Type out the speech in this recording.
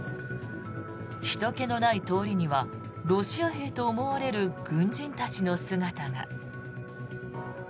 ひとけのない通りにはロシア兵と思われる軍人たちの姿が。